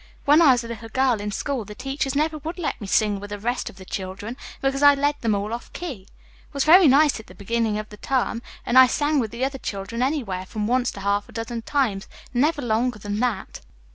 When I was a little girl in school the teachers never would let me sing with the rest of the children, because I led them all off the key. It was very nice at the beginning of the term, and I sang with the other children anywhere from once to half a dozen times, never longer than that.